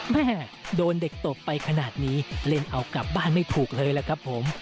แม่โดนเด็กตบไปขนาดนี้เล่นเอากลับบ้านไม่ถูกเลยล่ะครับผม